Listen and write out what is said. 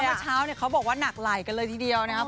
เมื่อเช้าเนี่ยเขาบอกว่าหนักไหลกันเลยทีเดียวนะครับ